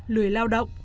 lười lao động